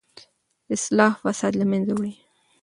اصلاح فساد له منځه وړي.